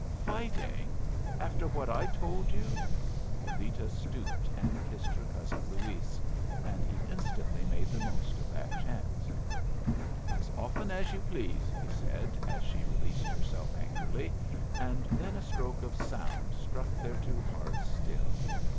"Fighting! after what I told you!" Lolita stooped and kissed her cousin Luis, and he instantly made the most of that chance. "As often as you please," he said, as she released herself angrily, and then a stroke of sound struck their two hearts still.